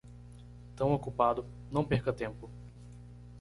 Tão ocupado, não perca tempo.